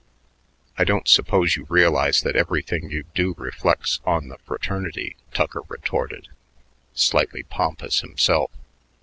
"I don't suppose you realize that everything you do reflects on the fraternity," Tucker retorted, slightly pompous himself.